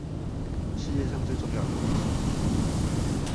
世界上最重要的東西